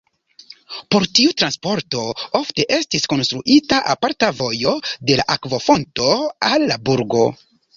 Por tiu transporto ofte estis konstruita aparta vojo de la akvofonto al la burgo.